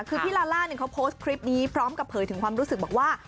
คือพี่ลาล่าเนี่ยเขาโพสต์คลิปนี้พร้อมกับเผยถึงความรู้สึกบอกว่า